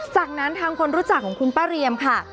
จากนั้นทางคนรู้จักของคุณป้าเรียมค่ะ